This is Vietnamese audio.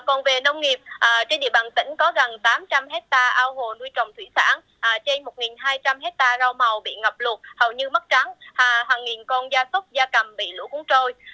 còn về nông nghiệp trên địa bàn tỉnh có gần tám trăm linh hectare ao hồ nuôi trồng thủy sản trên một hai trăm linh hectare rau màu bị ngập lụt hầu như mất trắng hàng nghìn con da súc da cầm bị lũ cuốn trôi